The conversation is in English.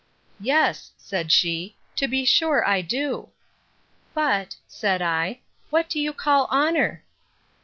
Yes, said she, to be sure I do. But, said I, what do you call honour?